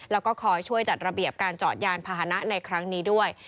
แล้วก็คอยช่วยจัดระเบียบการเจาะยานพาหนะในครั้งนี้ด้วย